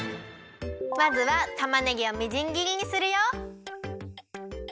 まずはたまねぎをみじん切りにするよ。